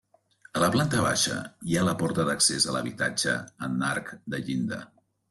A la planta baixa, hi ha la porta d'accés a l'habitatge en arc de llinda.